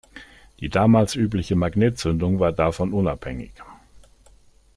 Die damals übliche Magnetzündung war davon unabhängig.